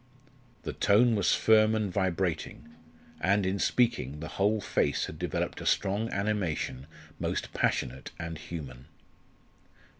The tone was firm and vibrating; and, in speaking, the whole face had developed a strong animation most passionate and human.